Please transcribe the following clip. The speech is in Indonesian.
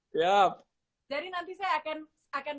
siap jadi nanti saya akan